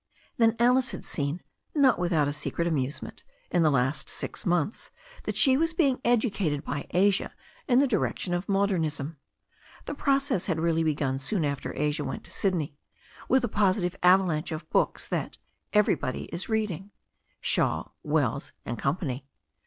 Then Alice had seen, not without a secret amusement, in the last six months, that she was being educated by Asia in the direction of modernism. The process had really beg^n soon after Asia went to Sydney, with a positive ava lanche of books that "Everybody is reading" — Shaw, Wells and Company.